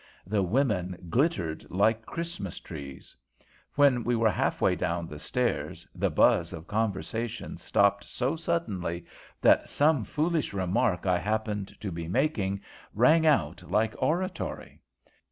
The women glittered like Christmas trees. When we were half way down the stairs, the buzz of conversation stopped so suddenly that some foolish remark I happened to be making rang out like oratory.